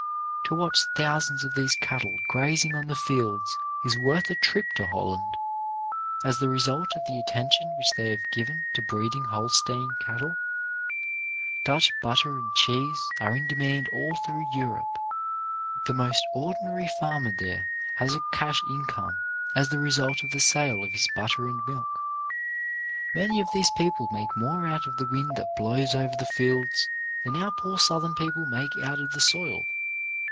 To watch thousands of these cattle grazing on the fields is worth a trip to Holland. As the result of the attention which they have given to breeding Holstein cattle, Dutch butter and cheese are in demand all through Europe. The most ordinary farmer there has a cash income as the result of the sale of his butter and milk. Many of these people make more out of the wind that blows over the fields than our poor Southern people make out of the soil.